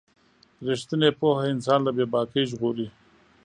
رښتینې پوهه انسان له بې باکۍ ژغوري.